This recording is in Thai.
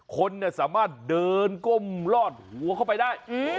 คนสามารถเดินก้มลอดหัวเข้าไปได้